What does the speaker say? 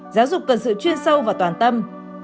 giáo dục cần sự chuyên sâu và toàn tâm